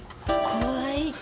怖い。